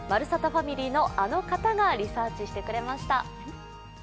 ファミリーのあの方がリサーチしてくれました。